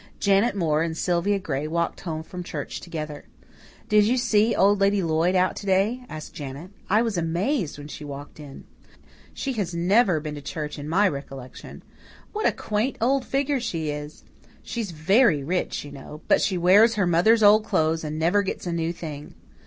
Janet Moore and Sylvia Gray walked home from church together. "Did you see Old Lady Lloyd out to day?" asked Janet. "I was amazed when she walked in. She has never been to church in my recollection. What a quaint old figure she is! She's very rich, you know, but she wears her mother's old clothes and never gets a new thing.